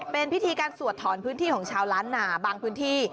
เป็นพิธีการสวดถอนพื้นที่ของชาวล้านนาบางพื้นที่